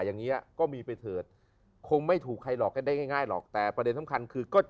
อย่างนี้ก็มีไปเถิดคงไม่ถูกใครหลอกกันได้ง่ายง่ายหรอกแต่ประเด็นสำคัญคือก็